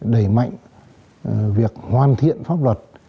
đẩy mạnh việc hoàn thiện pháp luật